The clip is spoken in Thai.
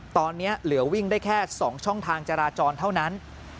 ตอนนี้เหลือวิ่งได้แค่๒ช่องทางจราจรเท่านั้น